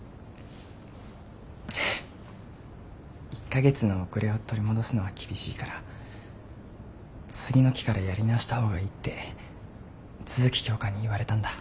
１か月の遅れを取り戻すのは厳しいから次の期からやり直した方がいいって都築教官に言われたんだ。